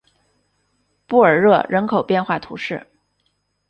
布尔热人口变化图示